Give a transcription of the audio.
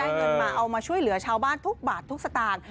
เงินมาเอามาช่วยเหลือชาวบ้านทุกบาททุกสตางค์